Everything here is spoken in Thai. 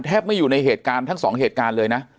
ไม่อยู่ในเหตุการณ์ทั้งสองเหตุการณ์เลยนะ